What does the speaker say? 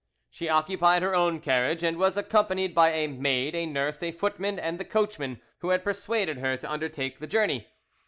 She occupied her own carriage, and was accompanied by a maid, a nurse, a footman, and the coachman who had persuaded her to undertake the journey.